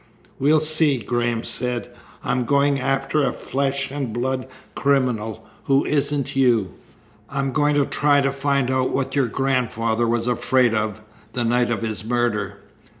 "We'll see," Graham said. "I'm going after a flesh and blood criminal who isn't you. I'm going to try to find out what your grandfather was afraid of the night of his murder."